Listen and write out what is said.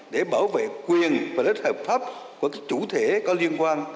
để bảo vệ quyền và lợi ích hợp pháp của các chủ thể có liên quan